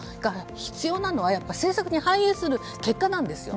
必要なのは政策に反映する結果なんですよ。